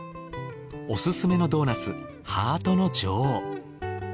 おすすめのドーナツハートの女王。